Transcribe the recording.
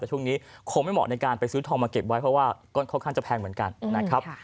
แต่ช่วงนี้คงไม่เหมาะในการไปซื้อทองมาเก็บไว้เพราะว่าก็ค่อนข้างจะแพงเหมือนกันนะครับ